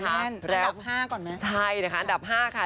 นานแน่นอันดับ๕ก่อนไหมใช่นะคะอันดับ๕ค่ะ